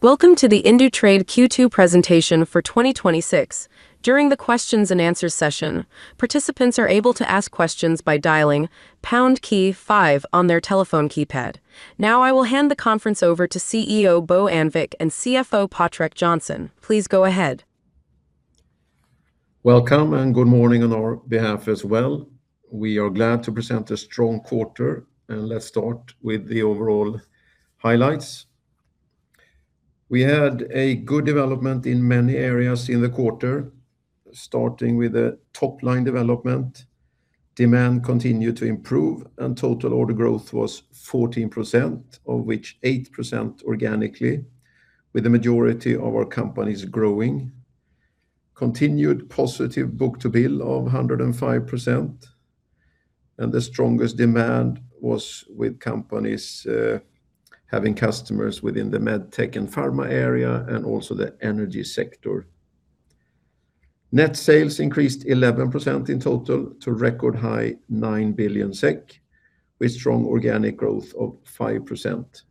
Welcome to the Indutrade Q2 presentation for 2026. During the questions and answers session, participants are able to ask questions by dialing pound key five on their telephone keypad. I will hand the conference over to CEO Bo Annvik and CFO Patrik Johnson. Please go ahead. Welcome and good morning on our behalf as well. We are glad to present a strong quarter. Let's start with the overall highlights. We had a good development in many areas in the quarter, starting with the top-line development. Demand continued to improve. Total order growth was 14%, of which 8% organically, with the majority of our companies growing. Continued positive book-to-bill of 105%. The strongest demand was with companies having customers within the medtech and pharma area and also the energy sector. Net sales increased 11% in total to record high 9 billion SEK, with strong organic growth of 5%.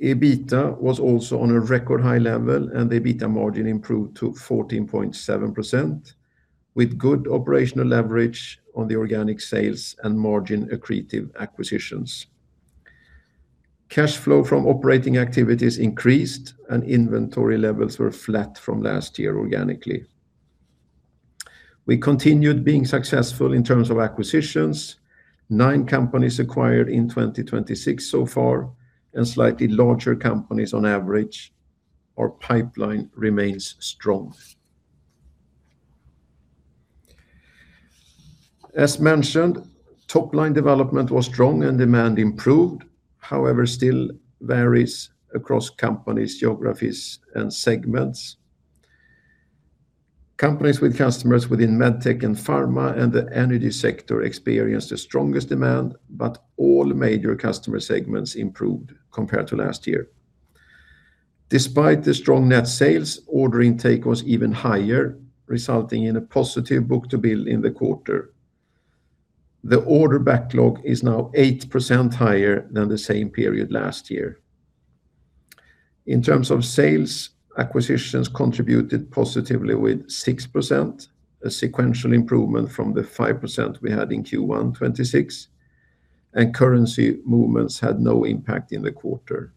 EBITA was also on a record-high level, and the EBITA margin improved to 14.7%, with good operational leverage on the organic sales and margin-accretive acquisitions. Cash flow from operating activities increased. Inventory levels were flat from last year organically. We continued being successful in terms of acquisitions. Nine companies acquired in 2026 so far. Slightly larger companies on average. Our pipeline remains strong. As mentioned, top-line development was strong. Demand improved, however, still varies across companies, geographies, and segments. Companies with customers within medtech and pharma and the energy sector experienced the strongest demand. All major customer segments improved compared to last year. Despite the strong net sales, order intake was even higher, resulting in a positive book-to-bill in the quarter. The order backlog is now 8% higher than the same period last year. In terms of sales, acquisitions contributed positively with 6%, a sequential improvement from the 5% we had in Q1 2026. Currency movements had no impact in the quarter.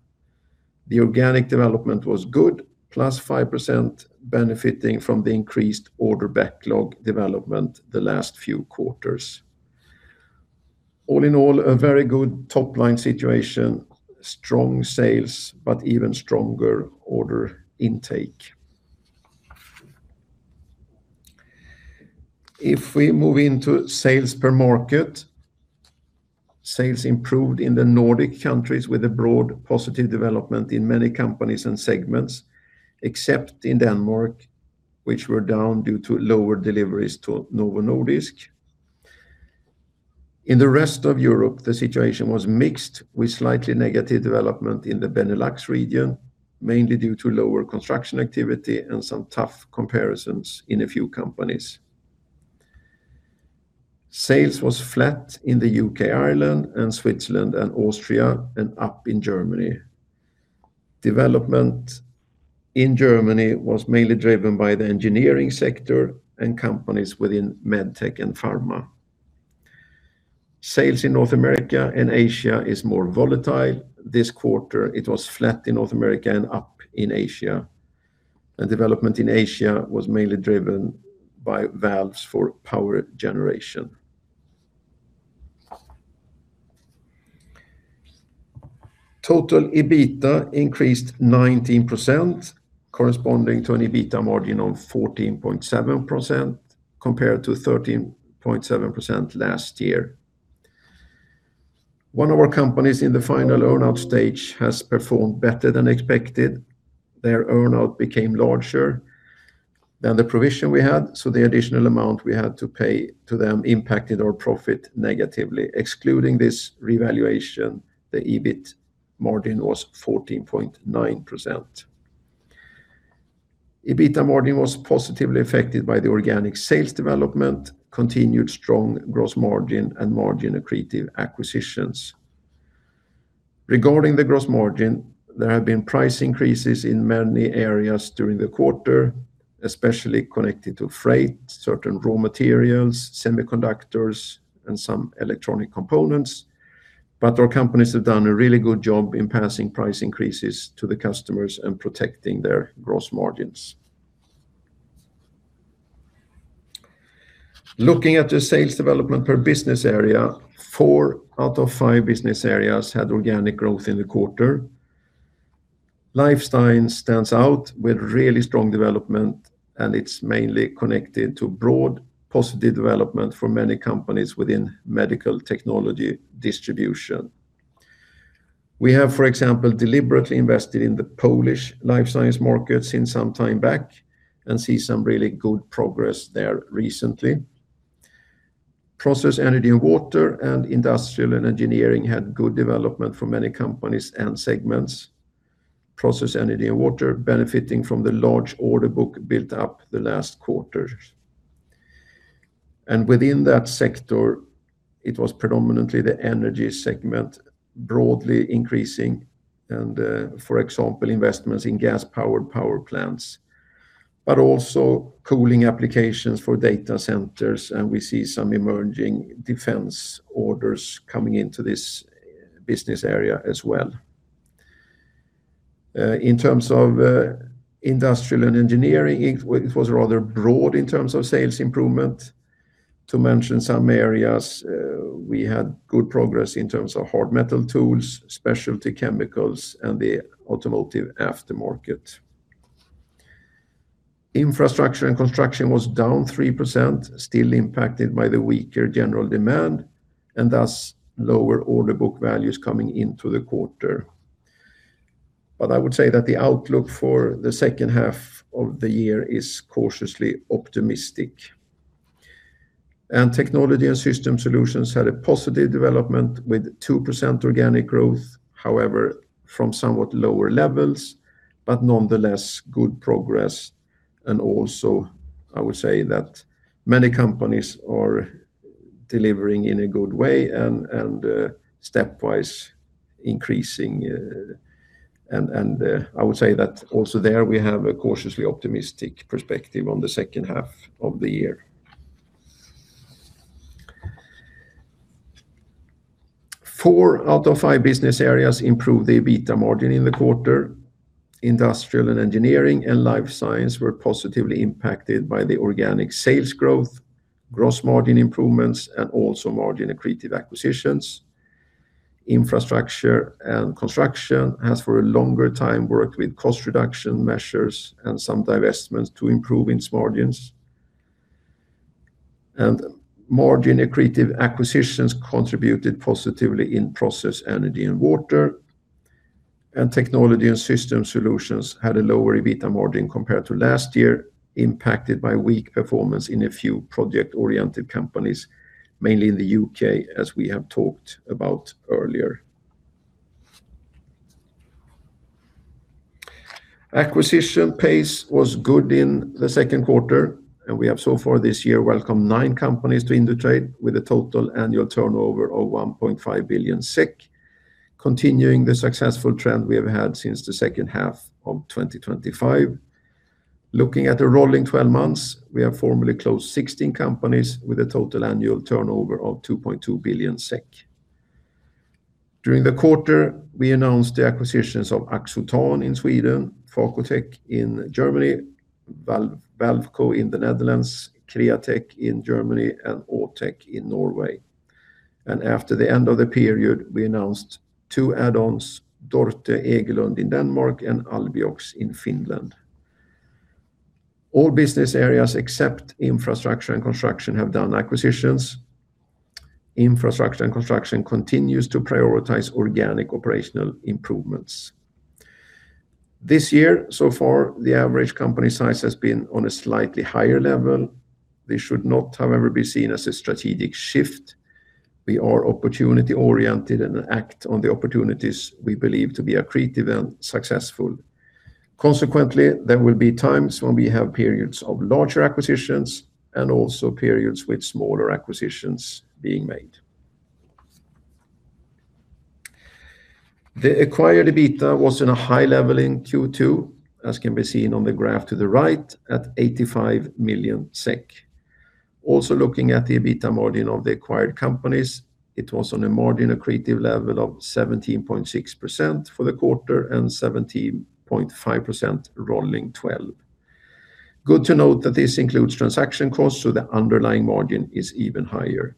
The organic development was good, +5%, benefiting from the increased order backlog development the last few quarters. All in all, a very good top-line situation, strong sales. Even stronger order intake. If we move into sales per market, sales improved in the Nordic countries with a broad positive development in many companies and segments, except in Denmark, which were down due to lower deliveries to Novo Nordisk. In the rest of Europe, the situation was mixed with slightly negative development in the Benelux region, mainly due to lower construction activity and some tough comparisons in a few companies. Sales was flat in the U.K., Ireland, and Switzerland, and Austria, and up in Germany. Development in Germany was mainly driven by the engineering sector and companies within medtech and pharma. Sales in North America and Asia is more volatile. This quarter, it was flat in North America and up in Asia. Development in Asia was mainly driven by valves for power generation. Total EBITA increased 19%, corresponding to an EBITA margin of 14.7% compared to 13.7% last year. One of our companies in the final earnout stage has performed better than expected. Their earnout became larger than the provision we had, so the additional amount we had to pay to them impacted our profit negatively. Excluding this revaluation, the EBIT margin was 14.9%. EBITA margin was positively affected by the organic sales development, continued strong gross margin, and margin-accretive acquisitions. Regarding the gross margin, there have been price increases in many areas during the quarter, especially connected to freight, certain raw materials, semiconductors, and some electronic components. Our companies have done a really good job in passing price increases to the customers and protecting their gross margins. Looking at the sales development per business area, four out of five business areas had organic growth in the quarter. Life Science stands out with really strong development, and it's mainly connected to broad positive development for many companies within medical technology distribution. We have, for example, deliberately invested in the Polish Life Science market some time back and see some really good progress there recently. Process, Energy & Water and Industrial & Engineering had good development for many companies and segments. Process, Energy & Water benefiting from the large order book built up the last quarters. Within that sector, it was predominantly the energy segment broadly increasing and, for example, investments in gas-powered power plants, but also cooling applications for data centers, and we see some emerging defense orders coming into this business area as well. In terms of Industrial & Engineering, it was rather broad in terms of sales improvement. To mention some areas, we had good progress in terms of hard metal tools, specialty chemicals, and the automotive aftermarket. Infrastructure & Construction was down 3%, still impacted by the weaker general demand, and thus lower order book values coming into the quarter. I would say that the outlook for the second half of the year is cautiously optimistic. Technology & Systems Solutions had a positive development with 2% organic growth, however, from somewhat lower levels, but nonetheless good progress, and also I would say that many companies are delivering in a good way and stepwise increasing. I would say that also there we have a cautiously optimistic perspective on the second half of the year. Four out of five business areas improved the EBITA margin in the quarter. Industrial & Engineering and Life Science were positively impacted by the organic sales growth, gross margin improvements, and also margin-accretive acquisitions. Infrastructure & Construction has for a longer time worked with cost reduction measures and some divestments to improve its margins. Margin-accretive acquisitions contributed positively in Process, Energy & Water. Technology & Systems Solutions had a lower EBITA margin compared to last year, impacted by weak performance in a few project-oriented companies, mainly in the U.K., as we have talked about earlier. Acquisition pace was good in the second quarter, and we have so far this year welcomed nine companies to Indutrade with a total annual turnover of 1.5 billion SEK, continuing the successful trend we have had since the second half of 2025. Looking at the rolling 12 months, we have formally closed 16 companies with a total annual turnover of 2.2 billion SEK. During the quarter, we announced the acquisitions of Axotan in Sweden, Phacotec in Germany, Valveco in the Netherlands, Createc in Germany, and Autek in Norway. After the end of the period, we announced two add-ons, Dorte Egelund in Denmark and Albiox in Finland. All business areas except Infrastructure & Construction have done acquisitions. Infrastructure & Construction continues to prioritize organic operational improvements. This year, so far, the average company size has been on a slightly higher level. This should not, however, be seen as a strategic shift. We are opportunity-oriented and act on the opportunities we believe to be accretive and successful. Consequently, there will be times when we have periods of larger acquisitions and also periods with smaller acquisitions being made. The acquired EBITA was in a high level in Q2, as can be seen on the graph to the right, at 85 million SEK. Also looking at the EBITA margin of the acquired companies, it was on a margin-accretive level of 17.6% for the quarter and 17.5% rolling 12. Good to note that this includes transaction costs, so the underlying margin is even higher.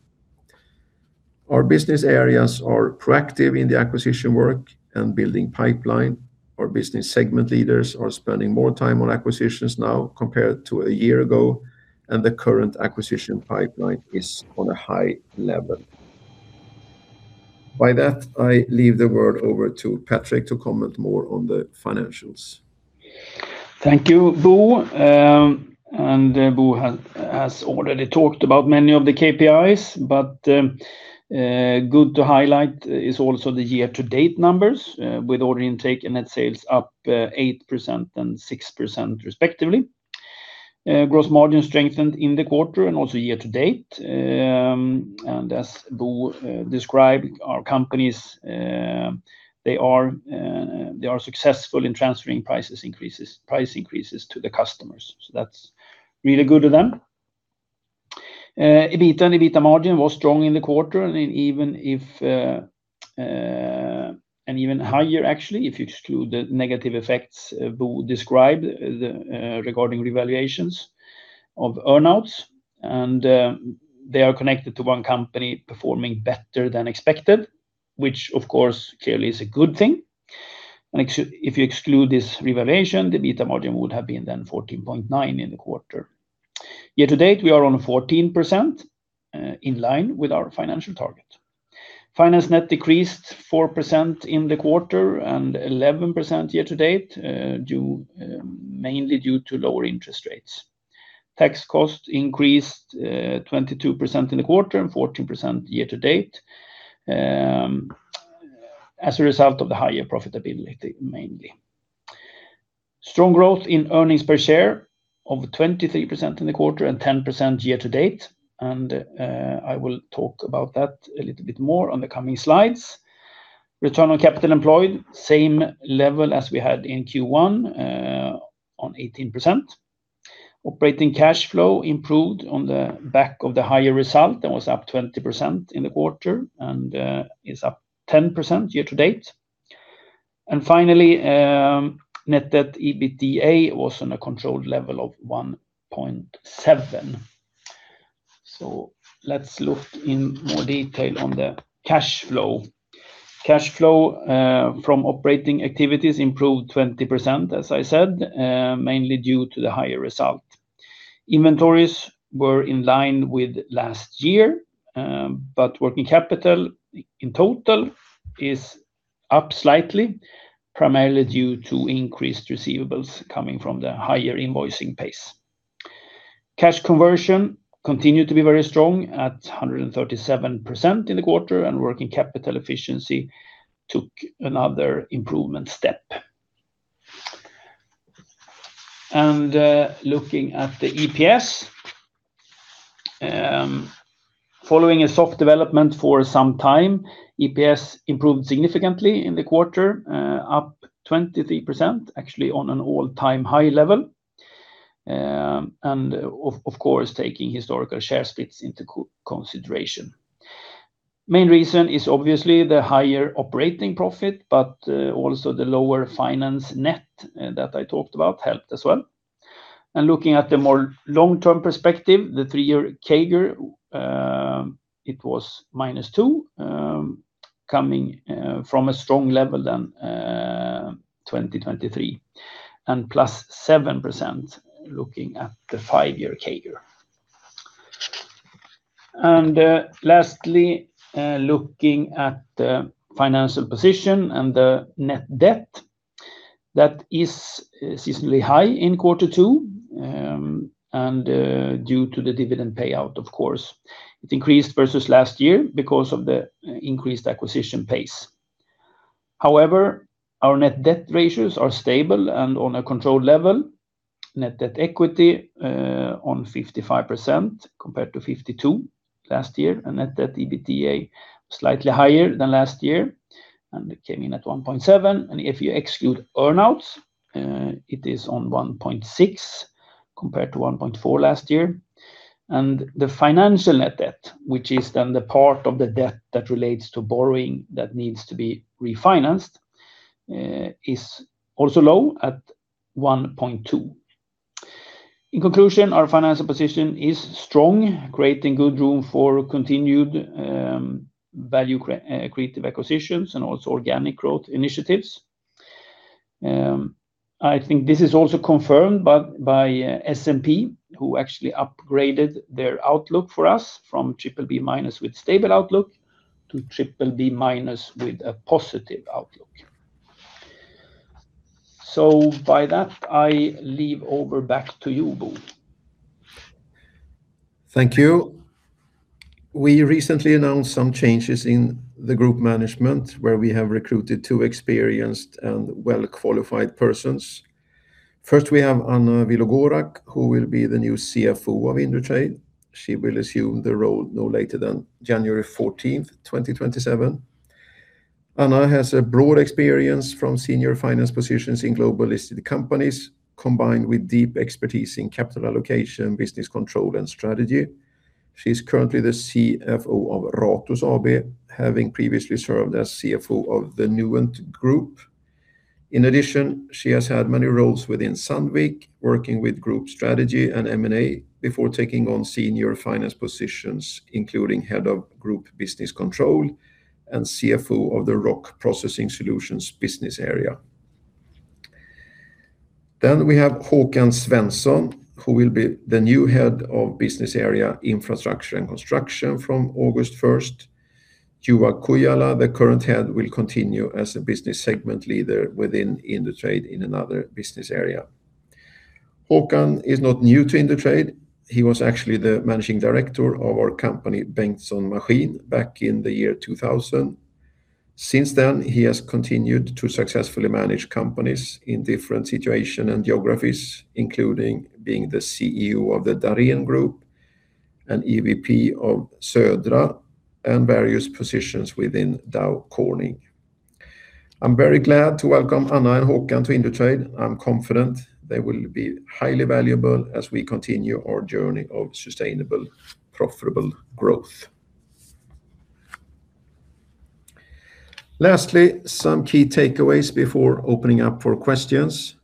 Our business areas are proactive in the acquisition work and building pipeline. Our business segment leaders are spending more time on acquisitions now compared to a year ago, and the current acquisition pipeline is on a high level. By that, I leave the word over to Patrik to comment more on the financials. Thank you, Bo. Bo has already talked about many of the KPIs, but good to highlight is also the year-to-date numbers with order intake and net sales up 8% and 6% respectively. Gross margin strengthened in the quarter and also year to date. As Bo described, our companies, they are successful in transferring price increases to the customers. That's really good of them. EBITDA and EBITDA margin was strong in the quarter, and even higher, actually, if you exclude the negative effects Bo described regarding revaluations of earnouts. They are connected to one company performing better than expected, which of course, clearly is a good thing. If you exclude this revaluation, the EBITDA margin would have been then 14.9% in the quarter. Year to date, we are on 14%, in line with our financial target. Finance net decreased 4% in the quarter and 11% year to date, mainly due to lower interest rates. Tax costs increased 22% in the quarter and 14% year to date as a result of the higher profitability, mainly. Strong growth in earnings per share of 23% in the quarter and 10% year to date. I will talk about that a little bit more on the coming slides. Return on capital employed, same level as we had in Q1 on 18%. Operating cash flow improved on the back of the higher result and was up 20% in the quarter and is up 10% year to date. Finally, net debt EBITDA was on a controlled level of 1.7. Let's look in more detail on the cash flow. Cash flow from operating activities improved 20%, as I said, mainly due to the higher result. Looking at the EPS. Following a soft development for some time, EPS improved significantly in the quarter, up 23%, actually on an all-time high level. Of course, taking historical share splits into consideration. Main reason is obviously the higher operating profit, but also the lower finance net that I talked about helped as well. Looking at the more long-term perspective, the three-year CAGR, it was -2%, coming from a strong level than 2023. +7% looking at the five-year CAGR. Lastly, looking at the financial position and the net debt, that is seasonally high in Q2 and due to the dividend payout, of course. It increased versus last year because of the increased acquisition pace. However, our net debt ratios are stable and on a controlled level. Net debt equity on 55% compared to 52% last year, net debt EBITDA slightly higher than last year, and it came in at 1.7. If you exclude earnouts, it is on 1.6 compared to 1.4 last year. The financial net debt, which is then the part of the debt that relates to borrowing that needs to be refinanced, is also low at 1.2. In conclusion, our financial position is strong, creating good room for continued value creative acquisitions and also organic growth initiatives. I think this is also confirmed by S&P, who actually upgraded their outlook for us from BBB- with stable outlook to BBB- with a positive outlook. With that, I leave over back to you, Bo. Thank you. We recently announced some changes in the group management, where we have recruited two experienced and well-qualified persons. First, we have Anna Vilogorac, who will be the new CFO of Indutrade. She will assume the role no later than January 14th, 2027. Anna has a broad experience from senior finance positions in global listed companies, combined with deep expertise in capital allocation, business control, and strategy. She is currently the CFO of Ratos AB, having previously served as CFO of the Nuent Group. In addition, she has had many roles within Sandvik, working with group strategy and M&A before taking on senior finance positions, including Head of Group Business Control and CFO of the Sandvik Rock Processing Solutions business area. We have Håkan Svensson, who will be the new Head of Business Area Infrastructure & Construction from August 1st. Juha Kujala, the current head, will continue as a Business Segment Leader within Indutrade in another business area. Håkan is not new to Indutrade. He was actually the Managing Director of our company, Bengtssons Maskin, back in 2000. Since then, he has continued to successfully manage companies in different situations and geographies, including being the CEO of the Dahrén Group, an EVP of Södra, and various positions within Dow Corning. I'm very glad to welcome Anna and Håkan to Indutrade. I'm confident they will be highly valuable as we continue our journey of sustainable, profitable growth. Lastly, some key takeaways before opening up for questions.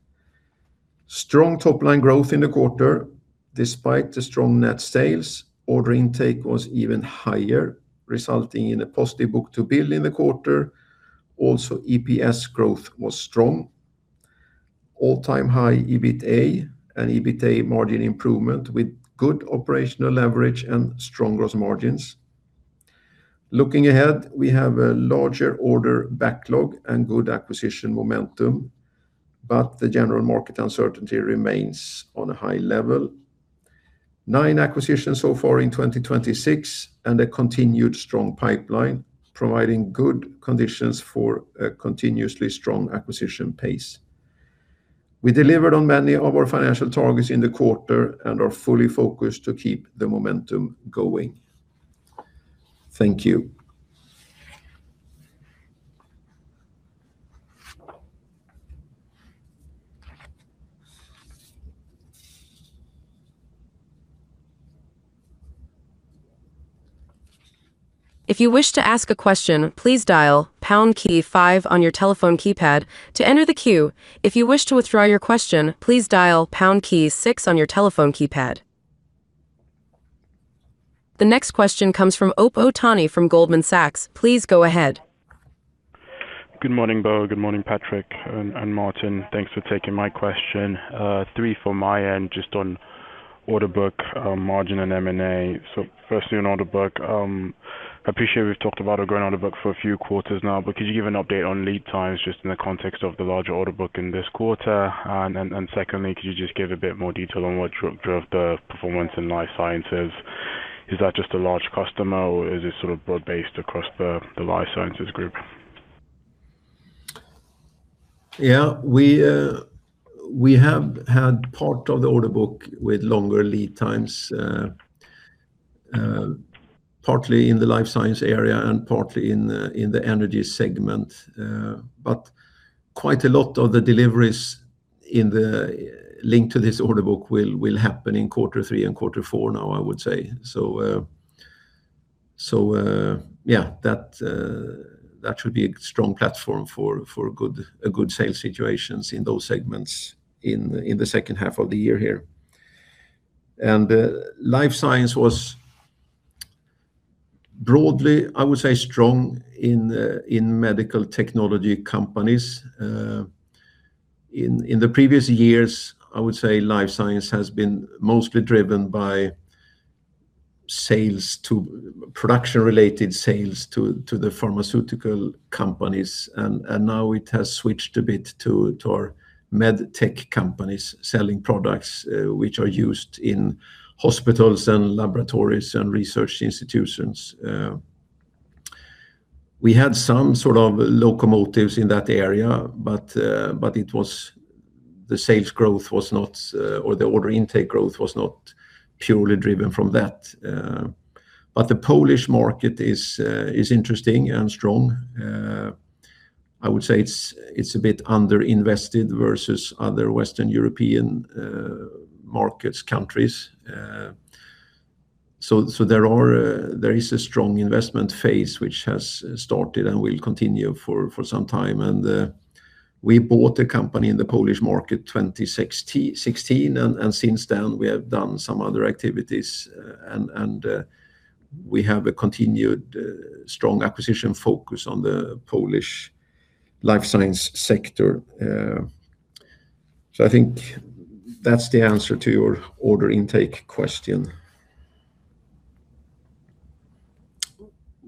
Strong top-line growth in the quarter despite the strong net sales. Order intake was even higher, resulting in a positive book-to-bill in the quarter. Also, EPS growth was strong. All-time high EBITA and EBITA margin improvement with good operational leverage and strong gross margins. Looking ahead, we have a larger order backlog and good acquisition momentum, but the general market uncertainty remains on a high level. Nine acquisitions so far in 2026, a continued strong pipeline providing good conditions for a continuously strong acquisition pace. We delivered on many of our financial targets in the quarter and are fully focused to keep the momentum going. Thank you. If you wish to ask a question, please dial pound key five on your telephone keypad to enter the queue. If you wish to withdraw your question, please dial pound key six on your telephone keypad. The next question comes from Ope Otaniyi from Goldman Sachs. Please go ahead. Good morning, Bo. Good morning, Patrik and Mårten. Thanks for taking my question. Three for my end, just on order book, margin, and M&A. Firstly, on order book, I appreciate we've talked about a growing order book for a few quarters now, but could you give an update on lead times just in the context of the larger order book in this quarter? Secondly, could you just give a bit more detail on what drove the performance in Life Science? Is that just a large customer, or is it broad-based across the Life Science group? Yeah. We have had part of the order book with longer lead times, partly in the Life Science area and partly in the energy segment. Quite a lot of the deliveries linked to this order book will happen in quarter three and quarter four now, I would say. Yeah, that should be a strong platform for a good sales situations in those segments in the second half of the year here. Life Science was broadly, I would say, strong in medical technology companies. In the previous years, I would say Life Science has been mostly driven by production-related sales to the pharmaceutical companies, and now it has switched a bit to our medtech companies selling products which are used in hospitals and laboratories and research institutions. We had some sort of locomotives in that area, but the order intake growth was not purely driven from that. The Polish market is interesting and strong. I would say it's a bit under-invested versus other Western European markets, countries. There is a strong investment phase which has started and will continue for some time. We bought a company in the Polish market 2016, and since then we have done some other activities, and we have a continued strong acquisition focus on the Polish Life Science sector. I think that's the answer to your order intake question.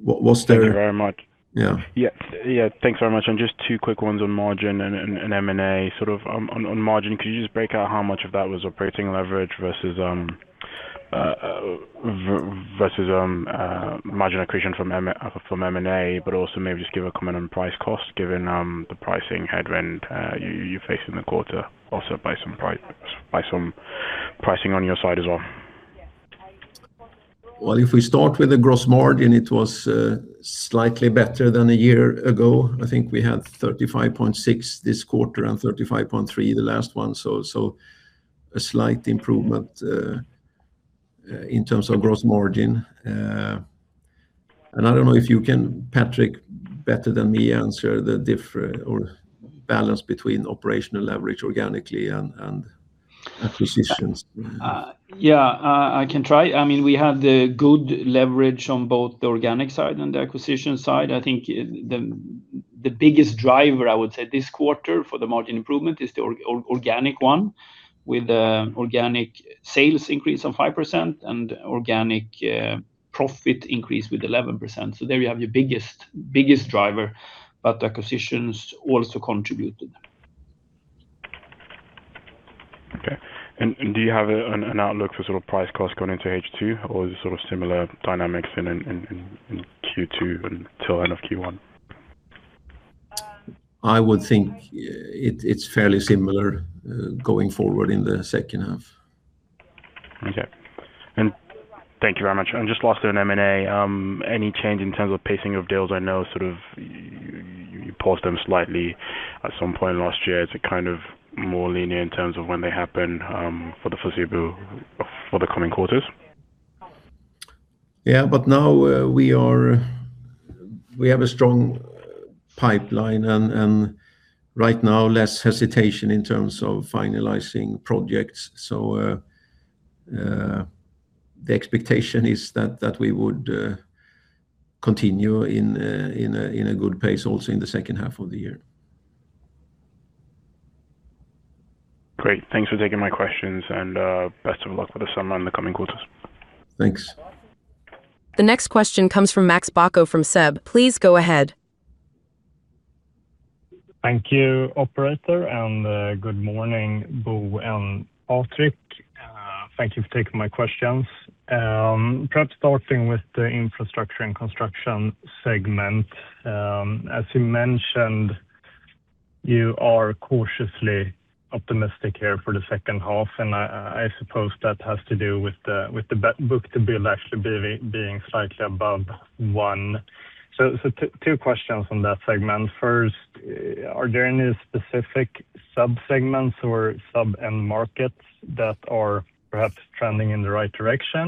Thank you very much. Yeah. Yeah. Thanks very much. Just two quick ones on margin and M&A. On margin, could you just break out how much of that was operating leverage versus margin accretion from M&A, but also maybe just give a comment on price cost, given the pricing headwind you faced in the quarter, also by some pricing on your side as well? Well, if we start with the gross margin, it was slightly better than a year ago. I think we had 35.6% this quarter and 35.3% the last one, so a slight improvement in terms of gross margin. I don't know if you can, Patrik, better than me, answer the difference or balance between operational leverage organically and acquisitions. Yeah. I can try. We had good leverage on both the organic side and the acquisition side. I think the biggest driver, I would say, this quarter for the margin improvement is the organic one, with organic sales increase of 5% and organic profit increase with 11%. There you have your biggest driver, but acquisitions also contributed. Okay. Do you have an outlook for price cost going into H2, or is it similar dynamics in Q2 until end of Q1? I would think it's fairly similar going forward in the second half. Okay. Thank you very much. Just lastly on M&A, any change in terms of pacing of deals? I know you paused them slightly at some point last year. Is it more linear in terms of when they happen for the foreseeable, for the coming quarters? Yeah, now we have a strong pipeline, right now less hesitation in terms of finalizing projects. The expectation is that we would continue in a good pace also in the second half of the year. Great. Thanks for taking my questions, best of luck for the summer and the coming quarters. Thanks. The next question comes from Max Bacco from SEB. Please go ahead. Thank you operator, good morning, Bo and Patrik. Thank you for taking my questions. Perhaps starting with the Infrastructure & Construction segment. As you mentioned, you are cautiously optimistic here for the second half. I suppose that has to do with the book-to-bill actually being slightly above one. Two questions from that segment. First, are there any specific sub-segments or sub-end markets that are perhaps trending in the right direction?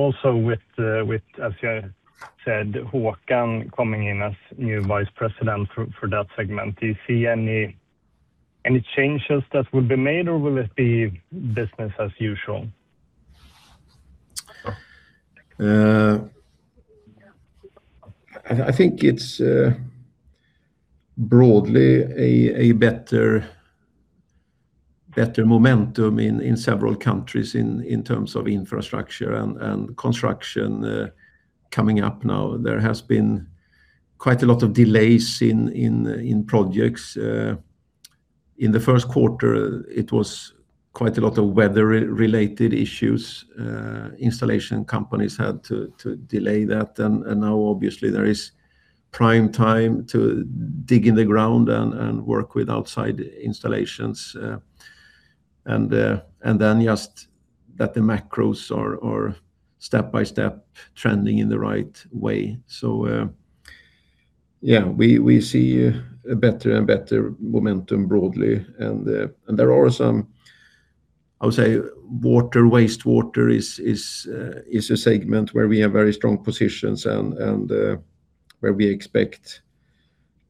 Also with, as you said, Håkan coming in as new Vice President for that segment, do you see any changes that would be made or will it be business as usual? I think it's broadly a better momentum in several countries in terms of Infrastructure & Construction coming up now. There has been quite a lot of delays in projects. In the first quarter, it was quite a lot of weather-related issues. Installation companies had to delay that. Now obviously there is prime time to dig in the ground and work with outside installations. Just that the macros are step-by-step trending in the right way. We see a better and better momentum broadly. There are some, I would say, water, wastewater is a segment where we have very strong positions and where we expect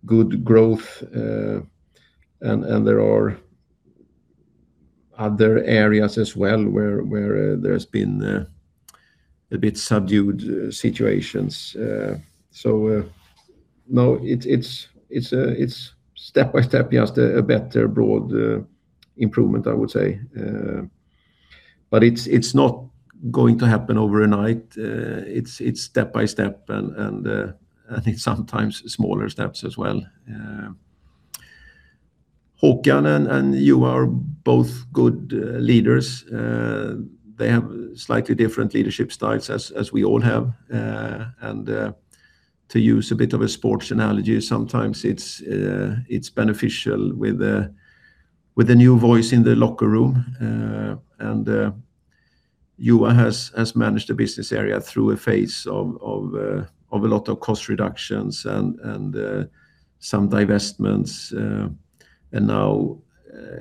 good growth. There are other areas as well where there's been a bit subdued situations. No, it's step-by-step, just a better broad improvement, I would say. It's not going to happen overnight. It's step-by-step and I think sometimes smaller steps as well. Håkan and Juha are both good leaders. They have slightly different leadership styles, as we all have. To use a bit of a sports analogy, sometimes it's beneficial with a new voice in the locker room. Juha has managed the business area through a phase of a lot of cost reductions and some divestments. Now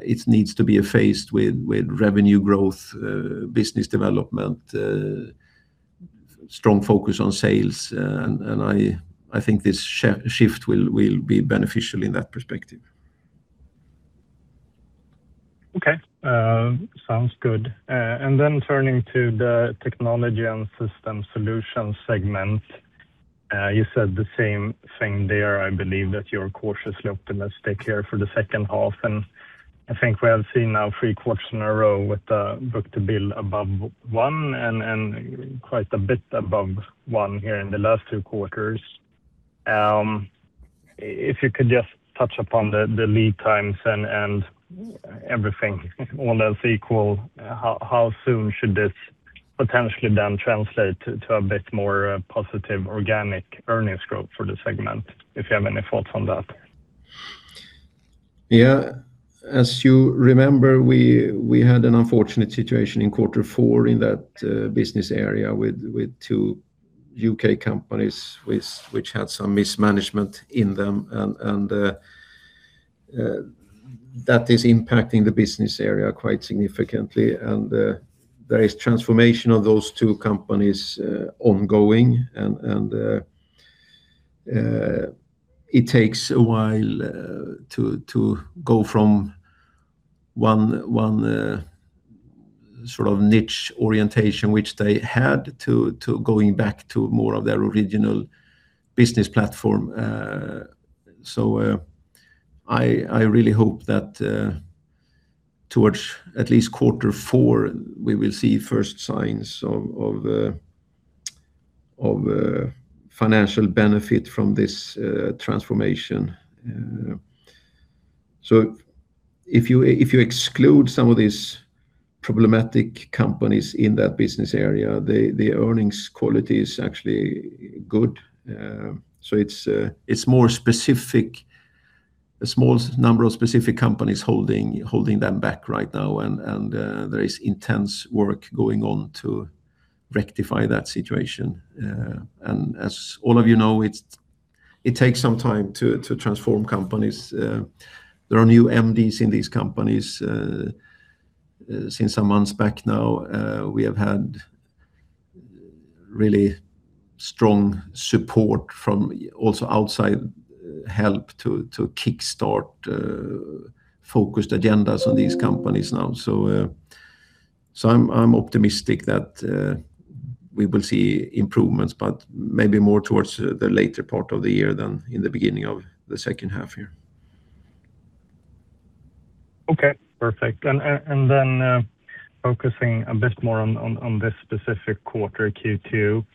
it needs to be a phase with revenue growth, business development, strong focus on sales, and I think this shift will be beneficial in that perspective. Okay. Sounds good. Turning to the Technology & Systems Solutions segment. You said the same thing there. I believe that you're cautiously optimistic here for the second half. I think we have seen now three quarters in a row with the book-to-bill above one and quite a bit above one here in the last two quarters. If you could just touch upon the lead times and everything, all else equal, how soon should this potentially then translate to a bit more positive organic earnings growth for the segment? If you have any thoughts on that. Yeah. As you remember, we had an unfortunate situation in quarter four in that business area with two U.K. companies which had some mismanagement in them, and that is impacting the business area quite significantly. There is transformation of those two companies ongoing, and it takes a while to go from one sort of niche orientation, which they had, to going back to more of their original business platform. I really hope that towards at least quarter four, we will see first signs of financial benefit from this transformation. If you exclude some of these problematic companies in that business area, the earnings quality is actually good. It's a small number of specific companies holding them back right now, and there is intense work going on to rectify that situation. As all of you know, it takes some time to transform companies. There are new MDs in these companies. Since some months back now, we have had really strong support from also outside help to kickstart focused agendas on these companies now. I'm optimistic that we will see improvements, but maybe more towards the later part of the year than in the beginning of the second half year. Okay, perfect. Then focusing a bit more on this specific quarter, Q2.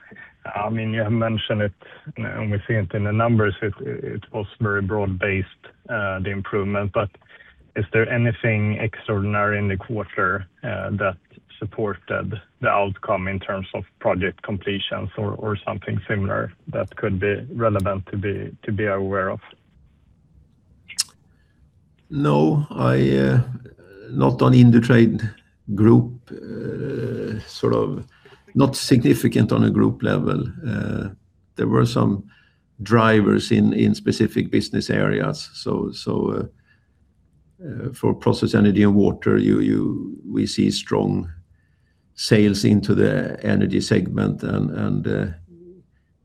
You have mentioned it, and we see it in the numbers, it was very broad-based, the improvement, but is there anything extraordinary in the quarter that supported the outcome in terms of project completions or something similar that could be relevant to be aware of? No, not on Indutrade Group. Not significant on a group level. There were some drivers in specific business areas. For Process, Energy & Water, we see strong sales into the energy segment and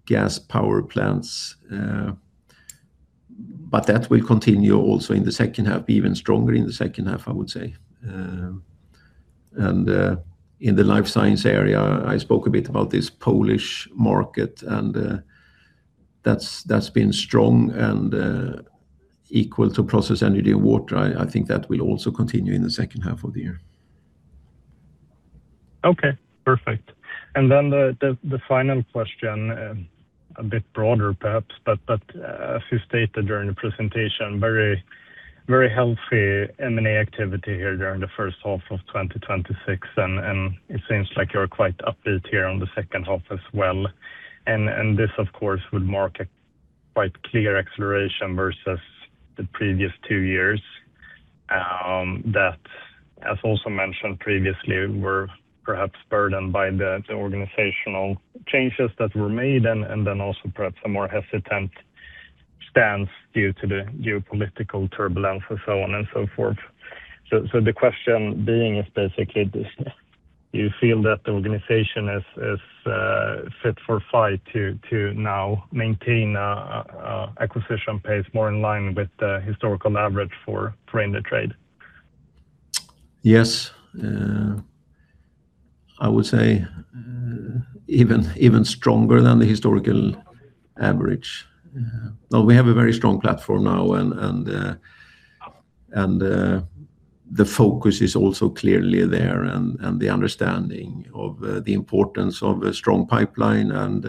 gas power plants. That will continue also in the second half, even stronger in the second half, I would say. In the Life Science area, I spoke a bit about this Polish market, that's been strong and equal to Process, Energy & Water. I think that will also continue in the second half of the year. Okay, perfect. The final question, a bit broader perhaps, but as you stated during the presentation, very healthy M&A activity here during the first half of 2026. It seems like you're quite upbeat here on the second half as well. This, of course, would mark a quite clear acceleration versus the previous two years, that, as also mentioned previously, were perhaps burdened by the organizational changes that were made and also perhaps a more hesitant stance due to the geopolitical turbulence and so on and so forth. The question being is basically, do you feel that the organization is fit for fight to now maintain acquisition pace more in line with the historical average for Indutrade? Yes. I would say even stronger than the historical average. We have a very strong platform now, the focus is also clearly there, and the understanding of the importance of a strong pipeline.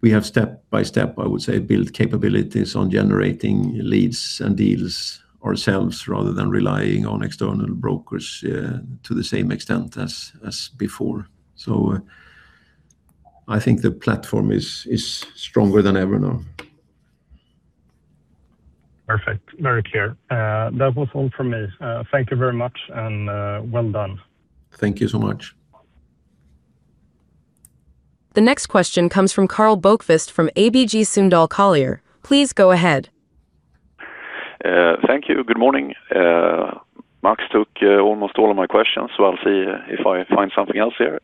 We have step by step, I would say, built capabilities on generating leads and deals ourselves, rather than relying on external brokers to the same extent as before. I think the platform is stronger than ever now. Perfect. Very clear. That was all from me. Thank you very much, and well done. Thank you so much. The next question comes from Karl Bokvist from ABG Sundal Collier. Please go ahead. Thank you. Good morning. Max took almost all of my questions, so I'll see if I find something else here.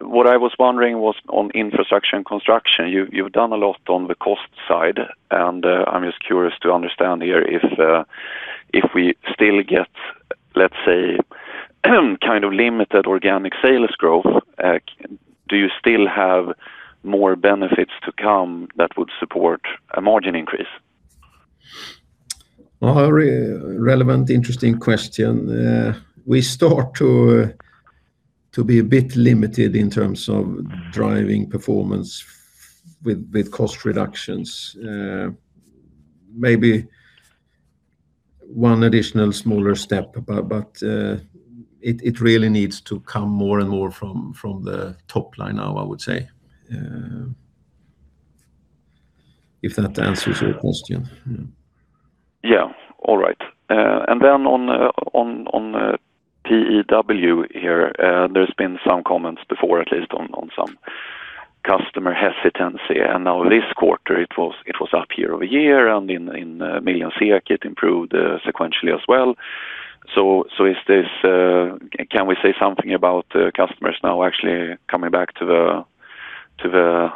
What I was wondering was on Infrastructure & Construction, you've done a lot on the cost side, and I'm just curious to understand here if we still get, let's say, kind of limited organic sales growth, do you still have more benefits to come that would support a margin increase? Very relevant, interesting question. We start to be a bit limited in terms of driving performance with cost reductions. Maybe one additional smaller step, but it really needs to come more and more from the top line now, I would say. If that answers your question. Yeah. All right. Then on PEW here, there's been some comments before, at least on some customer hesitancy. Now this quarter it was up year-over-year, and in millions SEK it improved sequentially as well. Can we say something about customers now actually coming back to the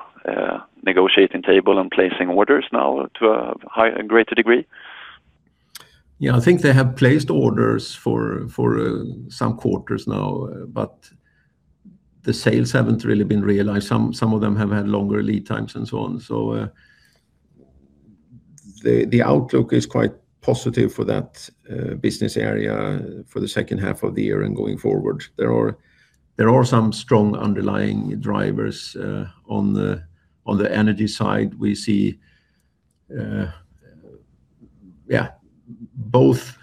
negotiating table and placing orders now to a greater degree? Yeah. I think they have placed orders for some quarters now, but the sales haven't really been realized. Some of them have had longer lead times and so on. The outlook is quite positive for that business area for the second half of the year and going forward. There are some strong underlying drivers on the energy side. We see both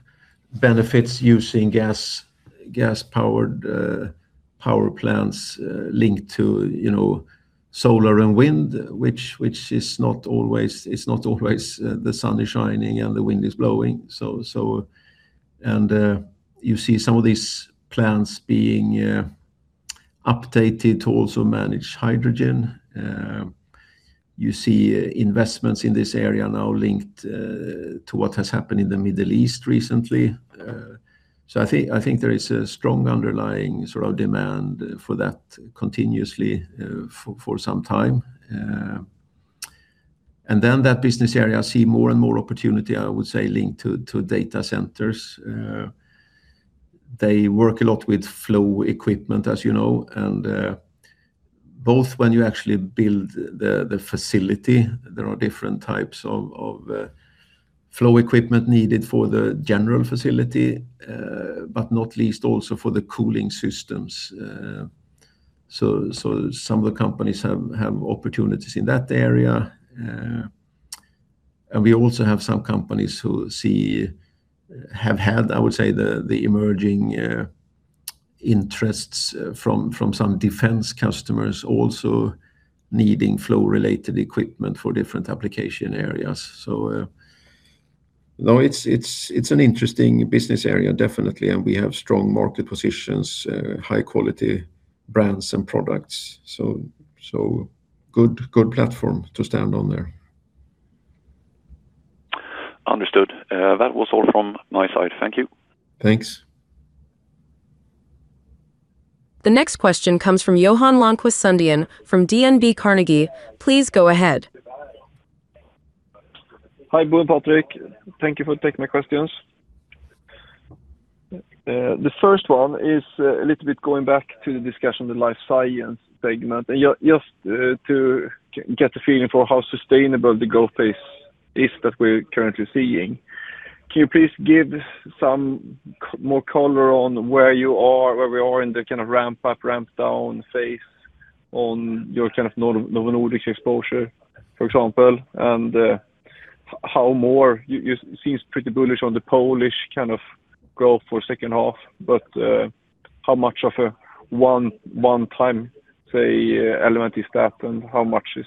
benefits using gas-powered power plants linked to solar and wind, which it's not always the sun is shining and the wind is blowing. You see some of these plants being updated to also manage hydrogen. You see investments in this area now linked to what has happened in the Middle East recently. I think there is a strong underlying demand for that continuously for some time. That business area see more and more opportunity, I would say, linked to data centers. They work a lot with flow equipment, as you know, and both when you actually build the facility, there are different types of flow equipment needed for the general facility, but not least also for the cooling systems. Some of the companies have opportunities in that area. We also have some companies who have had, I would say, the emerging interests from some defense customers also needing flow-related equipment for different application areas. It's an interesting business area, definitely, and we have strong market positions, high-quality brands and products. Good platform to stand on there. Understood. That was all from my side. Thank you. Thanks. The next question comes from Johan Lönnqvist Sundén from DNB Carnegie. Please go ahead. Hi, Bo and Patrik. Thank you for taking my questions. The first one is a little bit going back to the discussion on the Life Science segment, and just to get a feeling for how sustainable the growth pace is that we're currently seeing. Can you please give some more color on where we are in the ramp-up, ramp-down phase on your kind of Novo Nordisk exposure, for example, and how more, you seem pretty bullish on the Polish growth for second half, but how much of a one-time, say, element is that, and how much is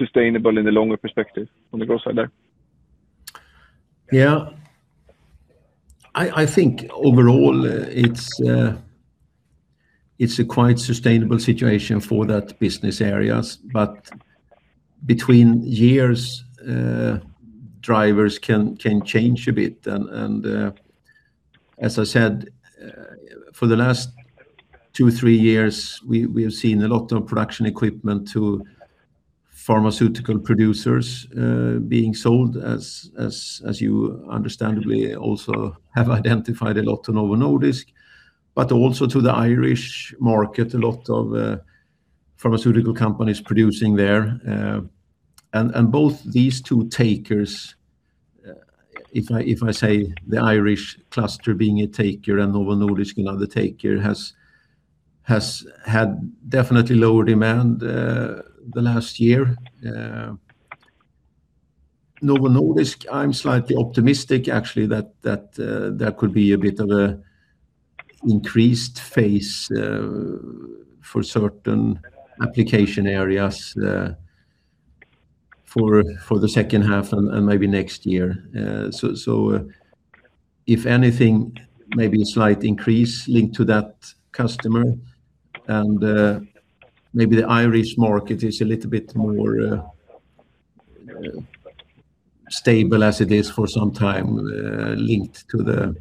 sustainable in the longer perspective on the growth side there? Yeah. I think overall it's a quite sustainable situation for that business area, but between years, drivers can change a bit. As I said, for the last two, three years, we have seen a lot of production equipment to pharmaceutical producers being sold as you understandably also have identified a lot to Novo Nordisk, but also to the Irish market, a lot of pharmaceutical companies producing there. Both these two takers, if I say the Irish cluster being a taker and Novo Nordisk being another taker, has had definitely lower demand the last year. Novo Nordisk, I'm slightly optimistic, actually, that there could be a bit of a increased phase for certain application areas for the second half and maybe next year. If anything, maybe a slight increase linked to that customer, and maybe the Irish market is a little bit more stable as it is for some time, linked to the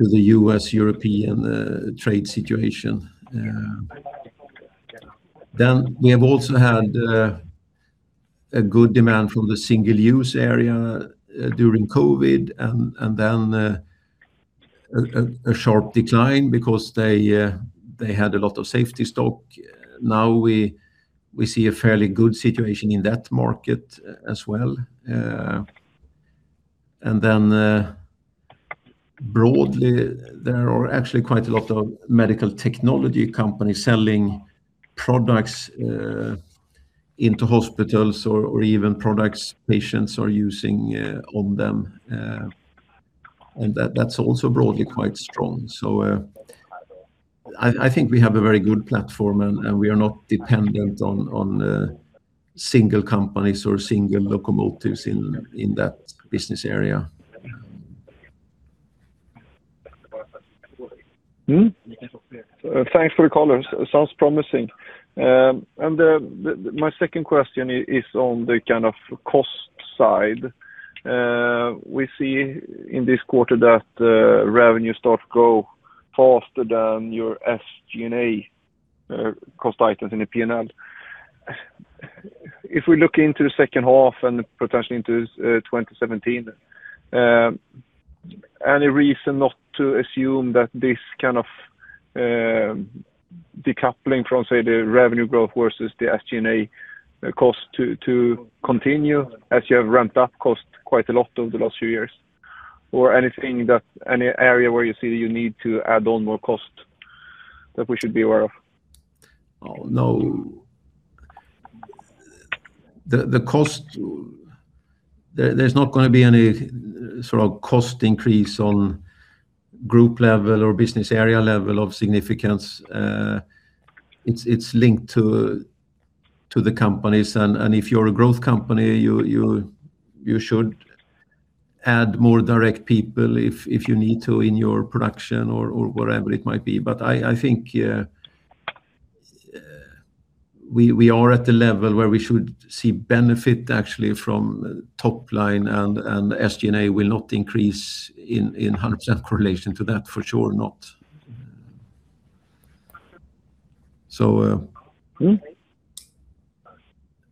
U.S.-European trade situation. We have also had a good demand from the single-use area during COVID, and then a sharp decline because they had a lot of safety stock. Now we see a fairly good situation in that market as well. Broadly, there are actually quite a lot of medical technology companies selling products into hospitals or even products patients are using on them. That's also broadly quite strong. I think we have a very good platform, and we are not dependent on single companies or single locomotives in that business area. Hmm? Thanks for your comments. Sounds promising. My second question is on the cost side. We see in this quarter that revenue start to grow faster than your SG&A cost items in the P&L. If we look into the second half and potentially into 2027, any reason not to assume that this kind of decoupling from, say, the revenue growth versus the SG&A cost to continue as you have ramped up cost quite a lot over the last few years? Any area where you see you need to add on more cost that we should be aware of? No. There's not going to be any sort of cost increase on group level or business area level of significance. If you're a growth company, you should add more direct people if you need to in your production or wherever it might be. I think we are at the level where we should see benefit actually from top line, and SG&A will not increase in 100% correlation to that, for sure not.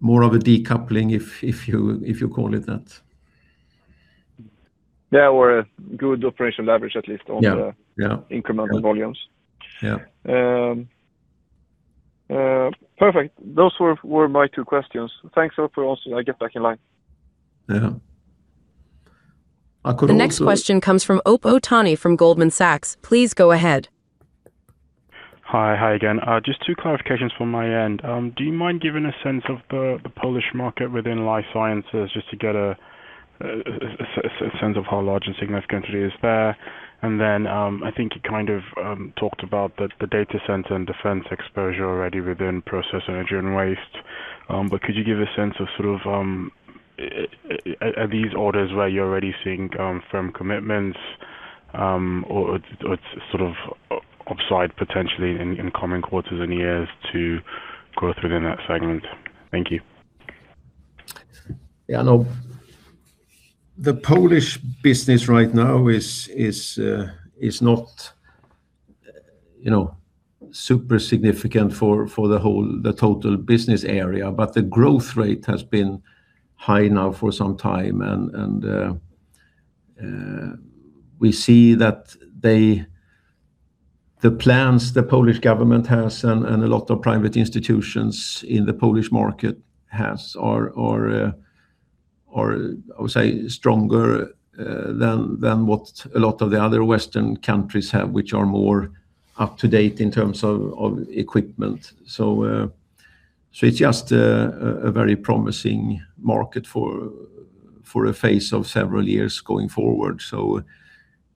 More of a decoupling if you call it that. Yeah. A good operational leverage, at least on the- Yeah incremental volumes. Yeah. Perfect. Those were my two questions. Thanks Bo. I guess back in line. Yeah. I could also- The next question comes from Ope Otaniyi from Goldman Sachs. Please go ahead. Hi again. Just two clarifications from my end. Do you mind giving a sense of the Polish market within Life Science just to get a sense of how large and significant it is there? I think you talked about the data center and defense exposure already within Process, Energy & Water, but could you give a sense of, are these orders where you're already seeing firm commitments, or it's upside potentially in coming quarters and years to growth within that segment? Thank you. Yeah, Ope. The Polish business right now is not super significant for the total business area, but the growth rate has been high now for some time. We see that the plans the Polish government has and a lot of private institutions in the Polish market has are, I would say, stronger than what a lot of the other Western countries have, which are more up to date in terms of equipment. It's just a very promising market for a phase of several years going forward.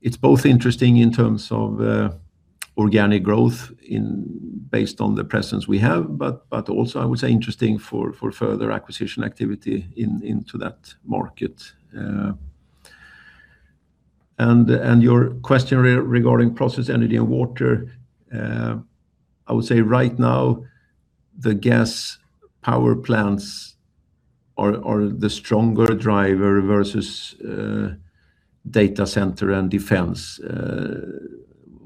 It's both interesting in terms of organic growth based on the presence we have, but also I would say interesting for further acquisition activity into that market. Your question regarding Process, Energy & Water, I would say right now the gas power plants are the stronger driver versus data center and defense.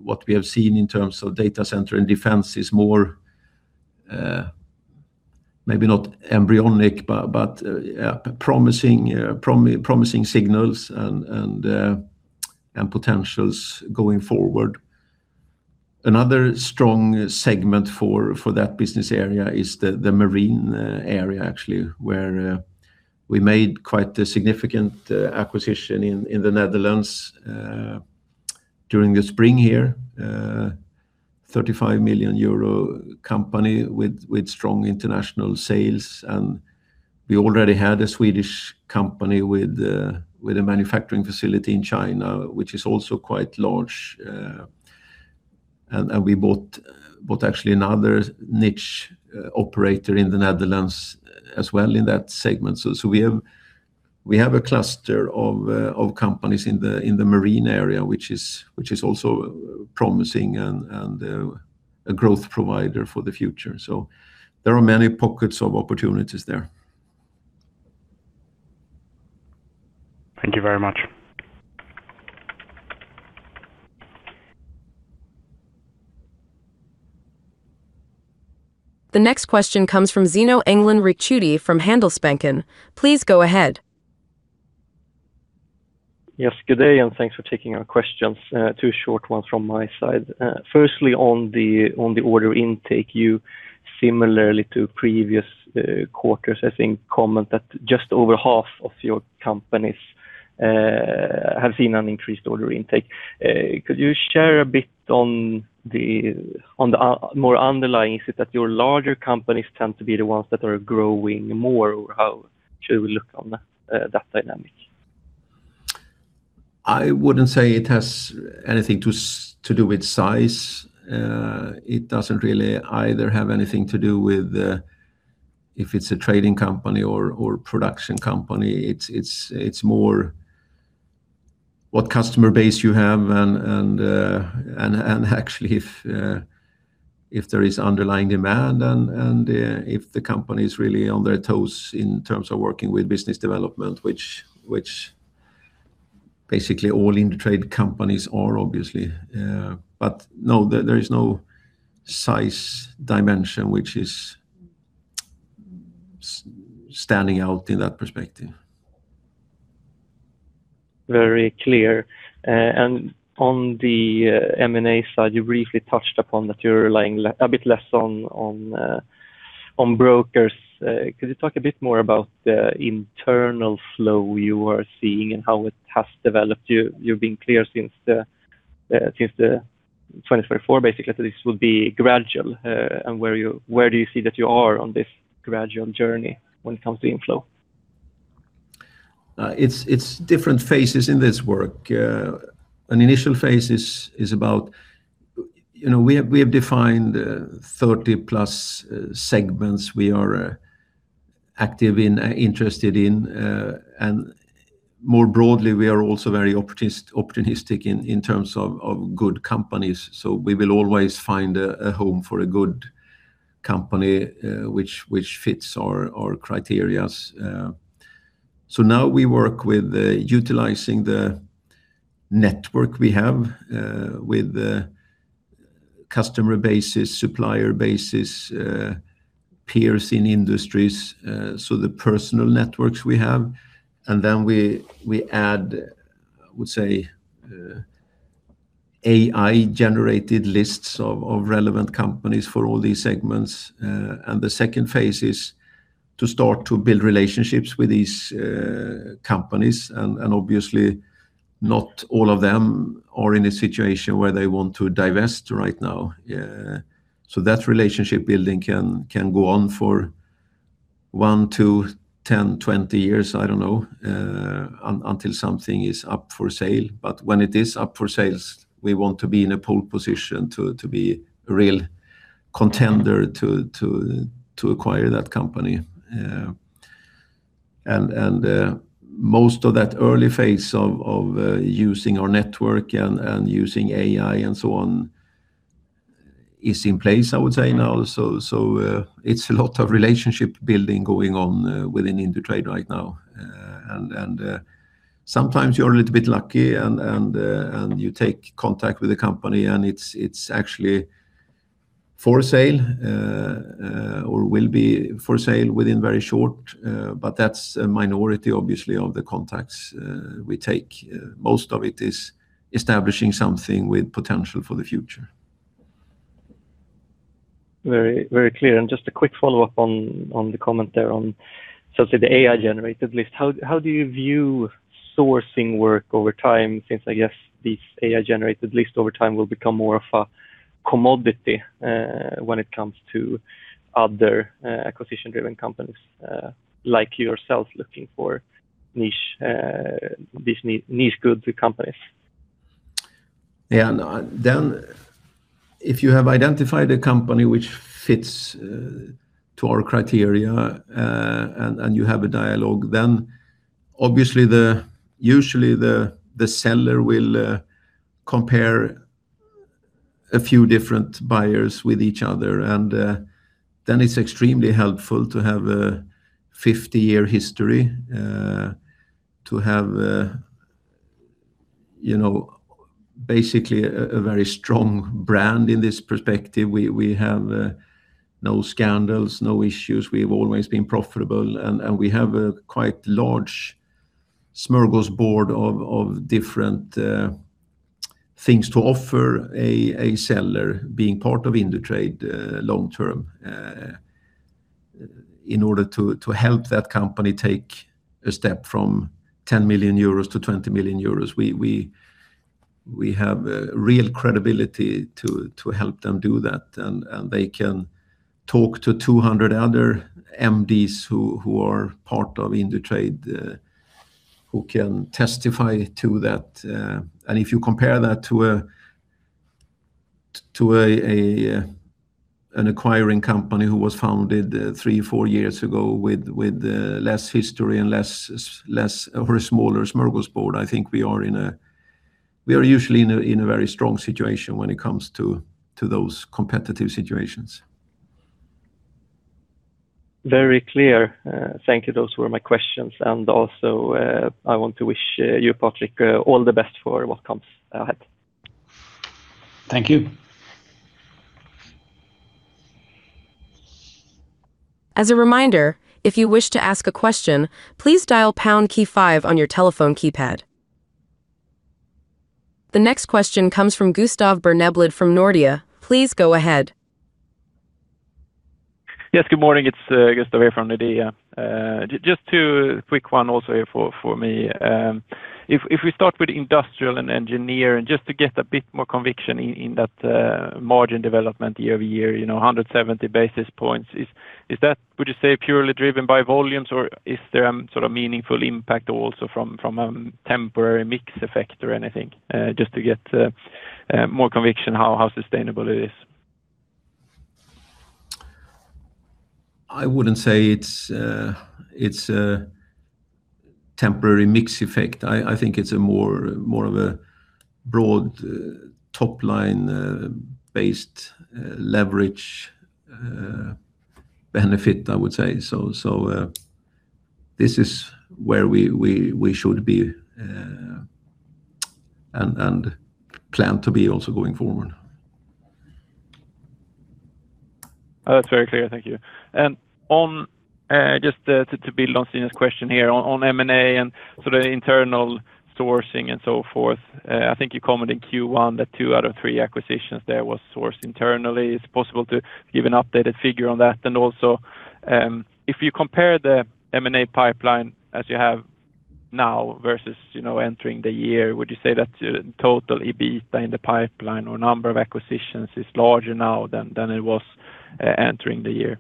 What we have seen in terms of data center and defense is more, maybe not embryonic, but promising signals and potentials going forward. Another strong segment for that business area is the marine area, actually, where we made quite a significant acquisition in the Netherlands during the spring here, a 35 million euro company with strong international sales. We already had a Swedish company with a manufacturing facility in China, which is also quite large. We bought actually another niche operator in the Netherlands as well in that segment. We have a cluster of companies in the marine area, which is also promising and a growth provider for the future. There are many pockets of opportunities there. Thank you very much. The next question comes from Zino Engdalen Ricciuti from Handelsbanken. Please go ahead. Yes, good day, thanks for taking our questions. Two short ones from my side. Firstly, on the order intake, you similarly to previous quarters, I think, comment that just over half of your companies have seen an increased order intake. Could you share a bit on the more underlying? Is it that your larger companies tend to be the ones that are growing more, or how should we look on that dynamic? I wouldn't say it has anything to do with size. It doesn't really either have anything to do with if it's a trading company or production company. It's more what customer base you have and actually if there is underlying demand and if the company's really on their toes in terms of working with business development, which basically all Indutrade companies are obviously. No, there is no size dimension which is standing out in that perspective. Very clear. On the M&A side, you briefly touched upon that you're relying a bit less on brokers. Could you talk a bit more about the internal flow you are seeing and how it has developed? You've been clear since the 2024, basically, that this will be gradual. Where do you see that you are on this gradual journey when it comes to inflow? It's different phases in this work. An initial phase is about we have defined 30+ segments we are active in, interested in, more broadly, we are also very opportunistic in terms of good companies. We will always find a home for a good company which fits our criteria. Now we work with utilizing the network we have with the customer bases, supplier bases, peers in industries, the personal networks we have. Then we add, I would say, AI-generated lists of relevant companies for all these segments. The second phase is to start to build relationships with these companies, obviously not all of them are in a situation where they want to divest right now. That relationship building can go on for 1-10, 20 years, I don't know, until something is up for sale. When it is up for sale, we want to be in a pole position to be a real contender to acquire that company. Most of that early phase of using our network and using AI and so on is in place, I would say now. It's a lot of relationship building going on within Indutrade right now. Sometimes you're a little bit lucky and you take contact with a company and it's actually for sale or will be for sale within very short. That's a minority, obviously, of the contacts we take. Most of it is establishing something with potential for the future. Very clear. Just a quick follow-up on the comment there on the AI-generated list. How do you view sourcing work over time since, I guess these AI-generated lists over time will become more of a commodity when it comes to other acquisition-driven companies like yourself looking for niche goods with companies? If you have identified a company which fits our criteria, you have a dialogue, obviously usually the seller will compare a few different buyers with each other. It's extremely helpful to have a 50-year history to have basically a very strong brand in this perspective. We have no scandals, no issues. We've always been profitable, and we have a quite large smorgasbord of different things to offer a seller being part of Indutrade long term in order to help that company take a step from 10 million-20 million euros. We have a real credibility to help them do that. They can talk to 200 other MDs who are part of Indutrade who can testify to that. If you compare that to an acquiring company who was founded three, four years ago with less history and a very smaller smorgasbord, I think we are usually in a very strong situation when it comes to those competitive situations. Very clear. Thank you. Those were my questions. Also, I want to wish you, Patrik, all the best for what comes ahead. Thank you. As a reminder, if you wish to ask a question, please dial pound key five on your telephone keypad. The next question comes from Gustav Berneblad from Nordea. Please go ahead. Yes, good morning. It's Gustav from Nordea. Just two quick one also here for me. If we start with Industrial & Engineering, just to get a bit more conviction in that margin development year-over-year, 170 basis points, is that, would you say purely driven by volumes or is there a sort of meaningful impact also from a temporary mix effect or anything? Just to get more conviction how sustainable it is. I wouldn't say it's a temporary mix effect. I think it's a more of a broad top-line based leverage benefit, I would say. This is where we should be and plan to be also going forward. That's very clear. Thank you. Just to build on Sundén's question here on M&A and sort of internal sourcing and so forth, I think you commented in Q1 that two out of three acquisitions there was sourced internally. It's possible to give an updated figure on that? Also, if you compare the M&A pipeline as you have now versus entering the year, would you say that total EBITA in the pipeline or number of acquisitions is larger now than it was entering the year?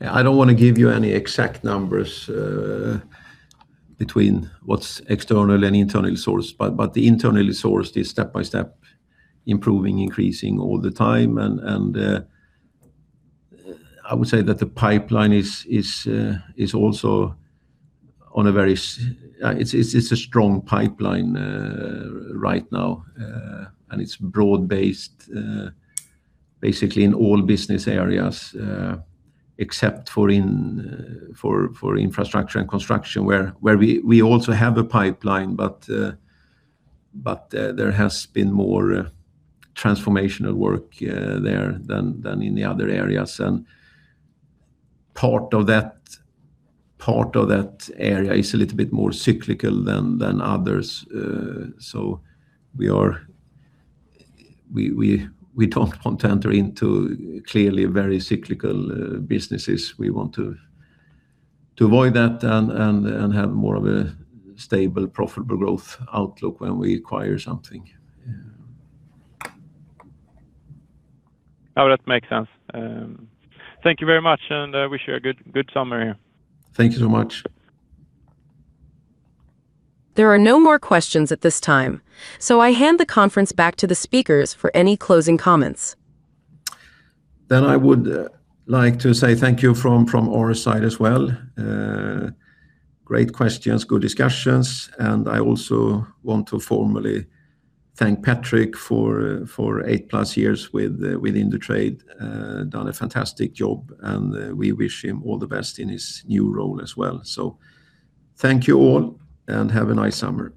I don't want to give you any exact numbers between what's external and internal source, but the internally sourced is step-by-step improving, increasing all the time. I would say that the pipeline is also on a very strong pipeline right now. It's broad based basically in all business areas except for Infrastructure & Construction, where we also have a pipeline, but there has been more transformational work there than in the other areas. Part of that area is a little bit more cyclical than others. We don't want to enter into clearly very cyclical businesses. We want to avoid that and have more of a stable, profitable growth outlook when we acquire something. That makes sense. Thank you very much, wish you a good summer here. Thank you so much. There are no more questions at this time. I hand the conference back to the speakers for any closing comments. I would like to say thank you from our side as well. Great questions, good discussions. I also want to formally thank Patrik for 8+ years with Indutrade. Done a fantastic job. We wish him all the best in his new role as well. Thank you all. Have a nice summer.